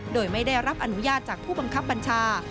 โดยไม่ได้รับอนุญาตจากผู้บังคับบัญชา